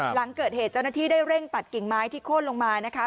หลังเกิดเหตุเจ้าหน้าที่ได้เร่งตัดกิ่งไม้ที่โค้นลงมานะคะ